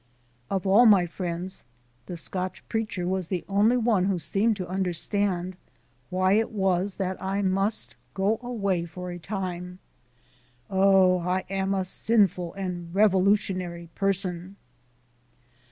Of all my friends the Scotch Preacher was the only one who seemed to understand why it was that I must go away for a time. Oh, I am a sinful and revolutionary person!